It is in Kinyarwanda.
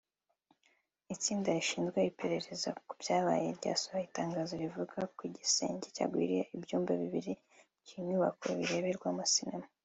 Itsinda rishinzwe iperereza ku byabaye ryasohoye itangazo rivuga ko igisenge cyagwiriye ibyumba bibiri by’inyubako bireberwamo cinema